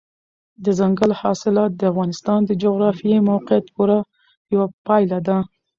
دځنګل حاصلات د افغانستان د جغرافیایي موقیعت پوره یوه پایله ده.